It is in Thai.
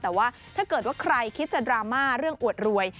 แต่ว่าถ้าเกิดว่าใครคิดจะดราม่าเรื่องอวดรวย